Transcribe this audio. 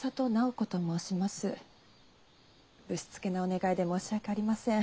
ぶしつけなお願いで申し訳ありません。